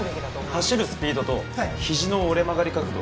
走るスピードと肘の折れ曲がり角度